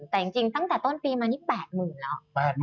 แต่จริงตั้งแต่ต้นปีมานี่๘๐๐๐แล้ว